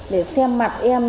để xem mặt em